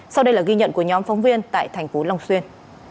sau đây là ghi nhận của nhóm phóng viên tại thành phố long xuyên